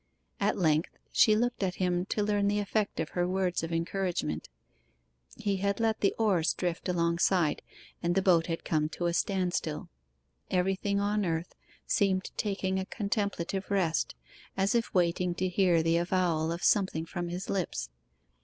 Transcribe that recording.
At length she looked at him to learn the effect of her words of encouragement. He had let the oars drift alongside, and the boat had come to a standstill. Everything on earth seemed taking a contemplative rest, as if waiting to hear the avowal of something from his lips.